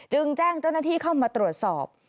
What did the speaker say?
แจ้งเจ้าหน้าที่เข้ามาตรวจสอบ